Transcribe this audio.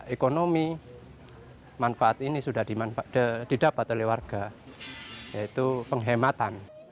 ekonomi manfaat ini sudah didapat oleh warga yaitu penghematan